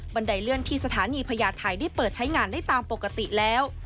ไดเลื่อนที่สถานีพญาไทยได้เปิดใช้งานได้ตามปกติแล้ว